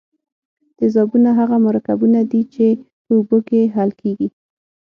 تیزابونه هغه مرکبونه دي چې په اوبو کې حل کیږي.